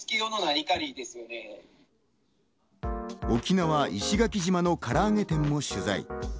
沖縄・石垣島のからあげ店も取材。